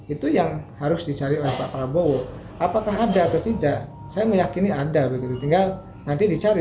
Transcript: itu yang harus dicari oleh pak prabowo apakah ada atau tidak saya meyakini ada begitu tinggal nanti dicari